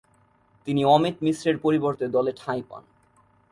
তিনি অমিত মিশ্রের পরিবর্তে দলে ঠাঁই পান।